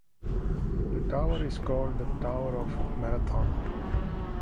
The tower is called the "Tower of Marathon".